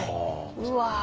うわ。